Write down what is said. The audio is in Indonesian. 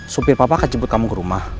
supir papa akan jemput kamu ke rumah